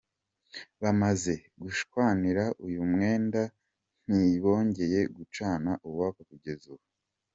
Bamaze gushwanira uyu mwenda ntibongeye gucana uwaka kugeza ubu.